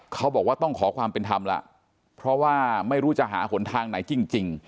เขาบอกว่าต้องขอความเป็นธรรมแล้วเพราะว่าไม่รู้จะหาหนทางไหนจริง